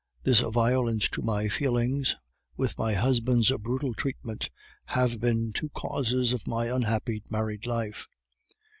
This violence to my feelings, with my husband's brutal treatment, have been two causes of my unhappy married life.